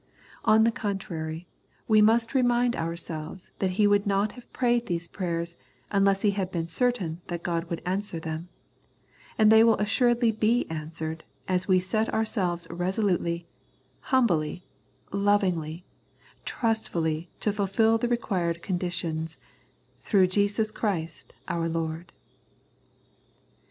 On the contrary, we must remind ourselves that he would not have prayed these prayers unless he had been certain that God would answer them, and they will assuredly be answered as we set ourselves resolutely, humbly, lovingly, trustfully to fulfil the required conditions, " through Jesus Christ our Lord."